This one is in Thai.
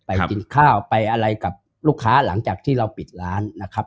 กินข้าวไปอะไรกับลูกค้าหลังจากที่เราปิดร้านนะครับ